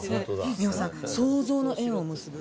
美穂さん創造の縁を結ぶ。